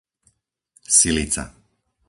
Silica